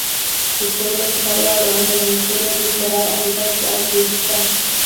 د کور مخې ته ولاړو امبولانسونو، د سرای انګړ او کوهي ته.